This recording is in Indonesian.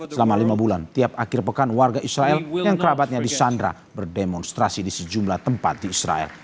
selama lima bulan tiap akhir pekan warga israel yang kerabatnya disandra berdemonstrasi di sejumlah tempat di israel